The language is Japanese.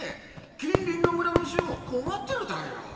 近隣の村の衆も困ってるだよ。